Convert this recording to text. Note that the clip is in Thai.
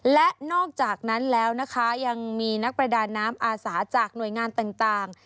และนอกจากนั้นแล้วนะคะยังมีนักประดาน้ำอาสาจากหน่วยงานต่าง